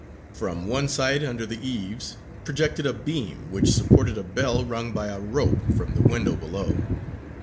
From one side, under the eaves, projected a beam, which supported a bell rung by a rope from the window below.